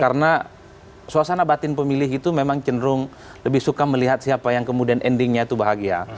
karena suasana batin pemilih itu memang cenderung lebih suka melihat siapa yang kemudian endingnya itu bahagia